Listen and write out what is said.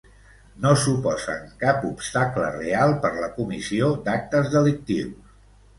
No suposen cap obstacle real per la comissió d'actes delictius.